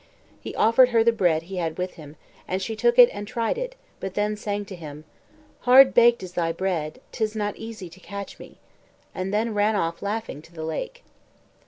He offered her the bread he had with him, and she took it and tried it, but then sang to him: Hard baked is thy bread, 'Tis not easy to catch me, and then ran off laughing to the lake.